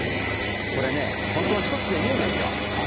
これね本当は１つでいいんですよ。